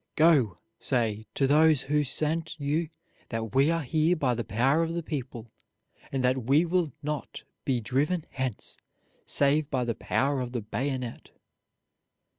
Go, say to those who sent you that we are here by the power of the people, and that we will not be driven hence, save by the power of the bayonet."